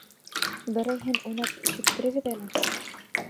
Берәйһен уйнап ишеттерегеҙ әле!